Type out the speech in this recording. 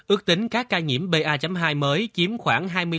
ước tính các ca nhiễm pa hai mới chiếm khoảng hai mươi năm ba mươi số ca mắc mới ở mỹ